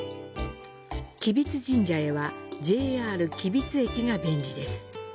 吉備津神社へはＪＲ吉備津駅が便利です。